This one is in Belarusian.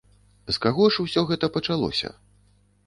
З каго ж усё гэта пачалося?